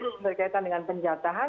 dan kemudian berkaitan dengan penjatahan